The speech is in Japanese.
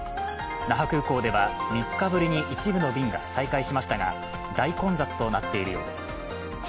那覇空港では、３日ぶりに一部の便が再開しましたが対混雑となっているようです。